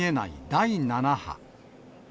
第７波。